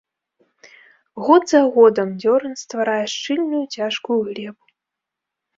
Год за годам дзёран стварае шчыльную, цяжкую глебу.